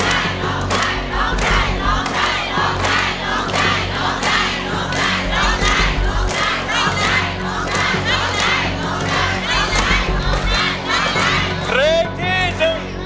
เพลงที่หนึ่ง